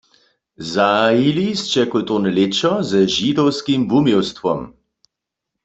Zahajili sće kulturne lěćo ze židowskim wuměłstwom.